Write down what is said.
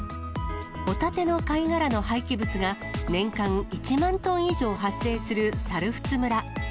ホタテの貝殻の廃棄物が年間１万トン以上発生する猿払村。